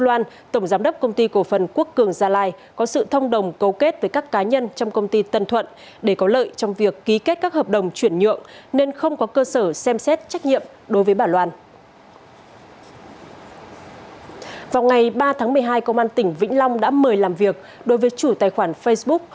vào ngày ba tháng một mươi hai công an tỉnh vĩnh long đã mời làm việc đối với chủ tài khoản facebook